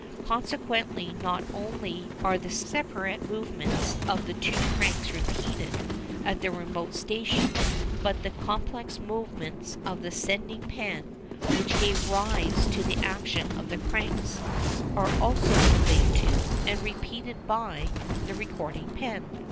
Consequently, not only are the separate movements of the two cranks repeated at the remote station but the complex movements of the sending pen, which gave rise to the actions of the cranks, are also conveyed to, and repeated by, the recording pen.